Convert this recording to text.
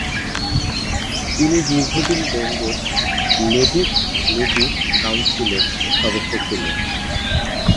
তিনি দীর্ঘদিন Bengal legislative কাউন্সিলের সদস্য ছিলেন।